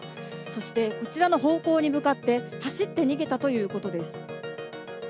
そして、こちらの方向に向かって走って逃げたということです。